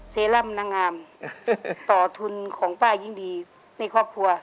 เซรั่มนางงามต่อทุนของป้ายิ่งดีในครอบครัว